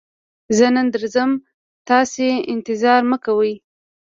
زه نن نه درځم، تاسې انتظار مکوئ!